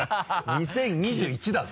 ２０２１だぞ。